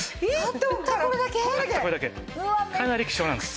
かなり希少なんです。